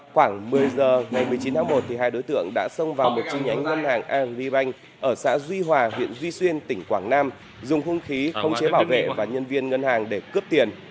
khoảng một mươi giờ ngày một mươi chín tháng một hai đối tượng đã xông vào một chi nhánh ngân hàng agribank ở xã duy hòa huyện duy xuyên tỉnh quảng nam dùng hung khí không chế bảo vệ và nhân viên ngân hàng để cướp tiền